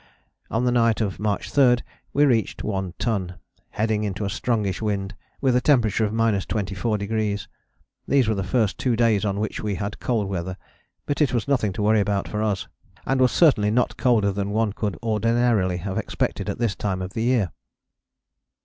On the night of March 3 we reached One Ton, heading into a strongish wind with a temperature of 24°. These were the first two days on which we had cold weather, but it was nothing to worry about for us, and was certainly not colder than one could ordinarily have expected at this time of year.